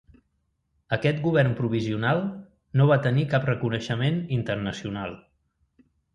Aquest Govern Provisional no va tenir cap reconeixement internacional.